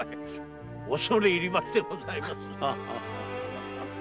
おそれいりましてございます。